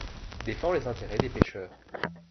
Défend les intérêts des pêcheurs.